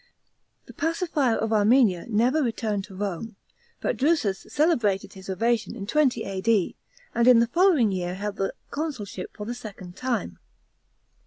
The pacifier of Armenia nevei returned to Rome, but Drusus celebrated his ovation in 20 A.D., and in the following year held the consulship for the second time.